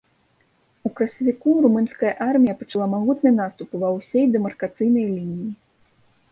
У красавіку румынская армія пачала магутны наступ ва ўсёй дэмаркацыйнай лініі.